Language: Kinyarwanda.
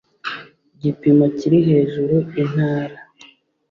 gipimo kiri hejuru intara